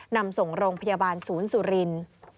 นำส่งโรงพยาบาลศูนย์สุรินทร์